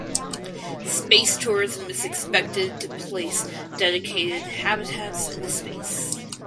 Space tourism is expected to place dedicated habitats into space.